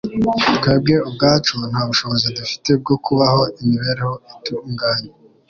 Twebwe ubwacu nta bushobozi dufite bwo kubaho imibereho itunganye